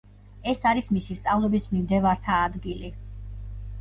ეს არის მისი სწავლების მიმდევართა ადგილი.